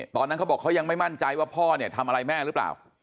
ตอนนั้นเขาบอกเขายังไม่มั่นใจว่าพ่อเนี่ยทำอะไรแม่หรือเปล่า